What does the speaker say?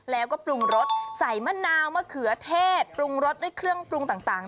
แล้วก็ปรุงรสใส่มะนาวมะเขือเทศปรุงรสด้วยเครื่องปรุงต่าง